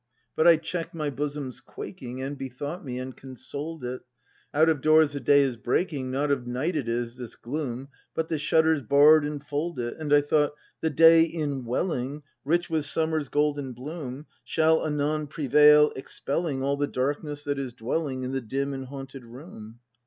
But I check 'd my bosom's quaking, And bethought me, and consoled it: Out of doors the day is breaking. Not of night it is, this gloom. But the shutters barr'd enfold it; And I thought, the day inwelling. Rich with summer's golden bloom. Shall anon prevail, expelling All the darkness that is dwelling In the dim and haunted room.